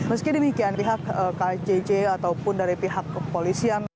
meski demikian pihak kjj ataupun dari pihak kepolisian